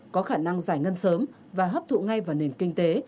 có khả năng giải ngân sớm và hấp thụ ngay vào nền kinh tế